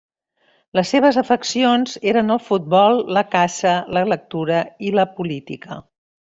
Les seves afeccions eren el futbol, la caça, la lectura i la política.